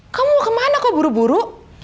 kamu mau kemana kau buru buru